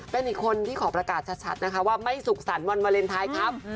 เป็นอีกคนที่ขอประกาศชัดนะคะว่าไม่สุขสรรค์วันวาเลนไทยครับ